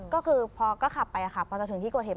ก็คือพอก็ขับไปพอจะถึงที่กวดเห็น